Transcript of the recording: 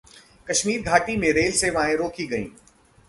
कश्मीर घाटी में रेल सेवाएं रोकी गई